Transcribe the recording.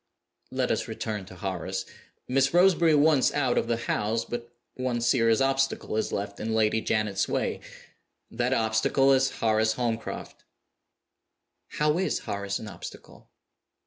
"Let us return to Horace. Miss Roseberry once out of the house, but one serious obstacle is left in Lady Janet's way. That obstacle is Horace Holmcroft." "How is Horace an obstacle?"